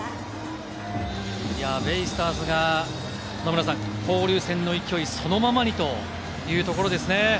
ベイスターズが交流戦の勢いそのままにというところですね。